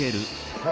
はい。